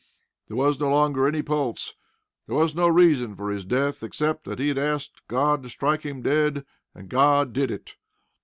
There was no longer any pulse. There was no reason for his death, except that he asked God to strike him dead, and God did it.